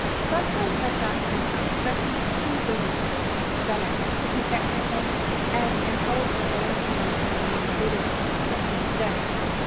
Sometimes I fotmd his expressions too Buddhistic, that is, too technical, and intelligible only to those who have made Buddhism a special study.